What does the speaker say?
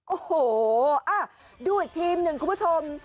โอ้โหดูอีกทีมหนึ่งคุณผู้ชม